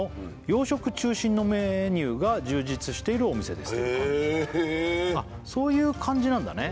「洋食中心のメニューが充実しているお店です」へえそういう感じなんだね